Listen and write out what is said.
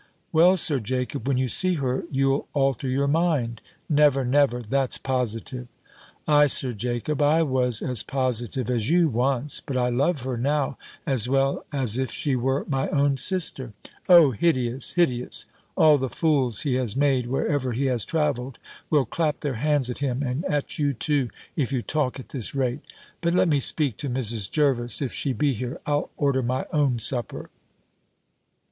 "Well, Sir Jacob, when you see her, you'll alter your mind." "Never, never; that's positive." "Ay, Sir Jacob, I was as positive as you once; but I love her now as well as if she were my own sister." "O hideous, hideous! All the fools he has made wherever he has travelled, will clap their hands at him, and at you too, if you talk at this rate. But let me speak to Mrs. Jervis, if she be here: I'll order my own supper."